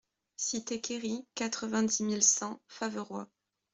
Cité Querry, quatre-vingt-dix mille cent Faverois